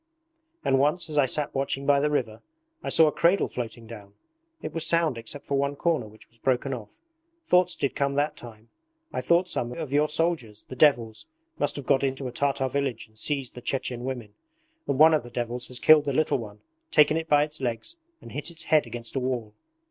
And once as I sat watching by the river I saw a cradle floating down. It was sound except for one corner which was broken off. Thoughts did come that time! I thought some of your soldiers, the devils, must have got into a Tartar village and seized the Chechen women, and one of the devils has killed the little one: taken it by its legs, and hit its head against a wall.